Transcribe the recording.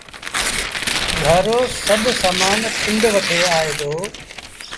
گھر رو سڀ سامآݩ پنڊ وٺي آئي دو